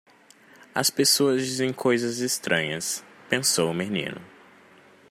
As pessoas dizem coisas estranhas, pensou o menino.